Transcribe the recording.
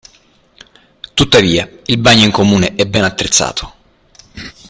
Tuttavia, il bagno in comune è ben attrezzato.